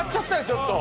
ちょっと！